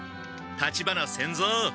立花仙蔵！